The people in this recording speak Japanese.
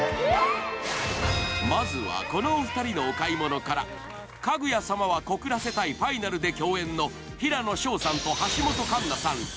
まずはこのお二人のお買い物から「かぐや様は告らせたいファイナル」で共演の平野紫耀さんと橋本環奈さん